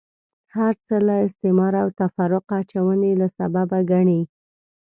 هرڅه له استعماره او تفرقه اچونې له سببه ګڼي.